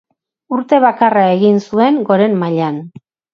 Urte bakarra egin zuen goren mailan.